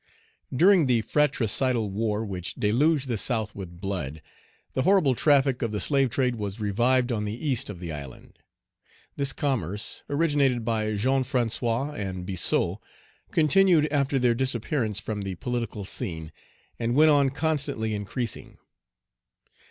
During the fratricidal war which deluged the South with blood, the horrible traffic of the slavetrade was revived on the east of the island. This commerce, originated by Jean François and Biassou, continued after their disappearance from the political scene, and went on constantly increasing.